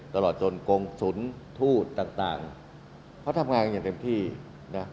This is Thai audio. ตลอดจนกงศูนย์ทูตต่างเขาทำงานกันอย่างเต็มที่นะ